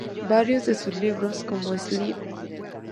Varios de sus libros, como "Slim.